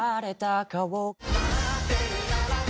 「待ってるなら」